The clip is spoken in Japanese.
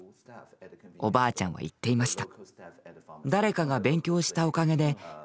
おばあちゃんは言っていました。